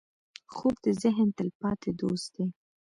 خوب د ذهن تلپاتې دوست دی